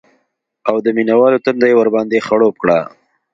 او د مینه والو تنده یې ورباندې خړوب کړه